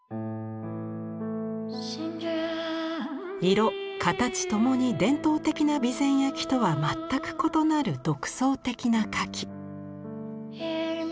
色形ともに伝統的な備前焼とは全く異なる独創的な花器。